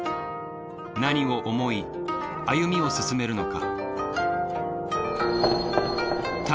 何を思い歩みを進めるのか。